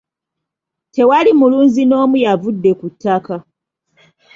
Tewali mulunzi n'omu yavudde ku ttaka.